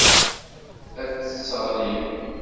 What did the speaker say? Ad t-tesseɣli.